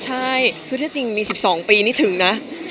ใช่คือถ้าจริงมี๑๒ปีนี่ถึงนะ